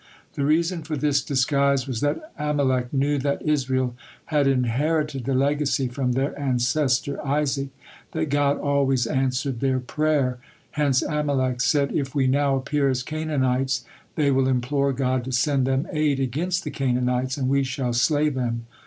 The reason for this disguise was that Amalek knew that Israel had inherited the legacy from their ancestor Isaac that God always answered their prayer, hence Amalek said: "If we now appear as Canaanites, they will implore God to send them aid against the Canaanites, and we shall slay them."